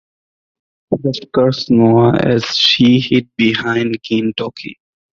This scares Noah as she hid behind Gintoki.